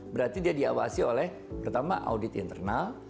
berarti dia diawasi oleh pertama audit internal